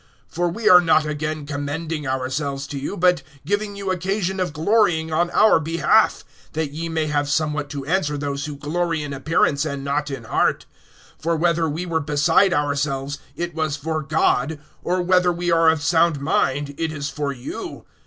(12)For we are not again commending ourselves to you, but giving you occasion of glorying on our behalf, that ye may have somewhat to answer those who glory in appearance and not in heart. (13)For whether we were beside ourselves, it was for God; or whether we are of sound mind, it is for you.